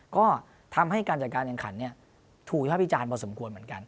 ก็ทำให้การจัดการเรียนขันเนี้ยถูกภาพิจารณ์มาสมควรเหมือนกัน